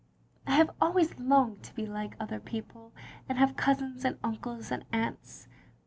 I have always longed to be like other people, and have cousins and uncles and aunts.